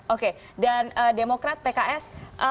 oke dan demokrat pks